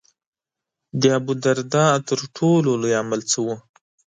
د ابوالدرداء تر ټولو لوی عمل څه و.